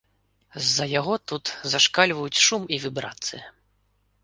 З-за яго тут зашкальваюць шум і вібрацыя.